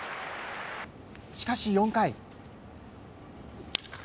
しかし４回。